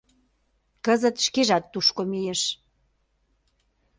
Кызыт шкежат тушко мийыш.